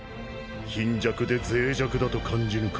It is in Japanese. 貧弱で脆弱だと感じぬか？